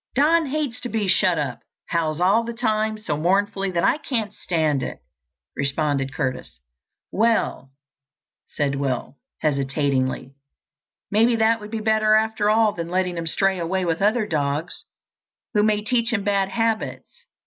"Don hates to be shut up, howls all the time so mournfully that I can't stand it," responded Curtis. "Well," said Will, hesitatingly, "maybe that would be better after all than letting him stray away with other dogs who may teach him bad habits.